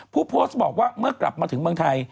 ผู้โพสต์บอกว่าเมื่อกลับมาถึงเมืองไทย